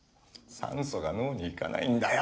酸素が脳に行かないんだよ！